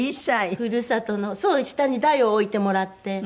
故郷のそう下に台を置いてもらって。